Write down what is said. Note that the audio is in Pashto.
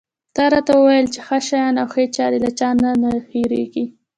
تا راته وویل چې ښه شیان او ښې چارې له چا نه نه هېرېږي.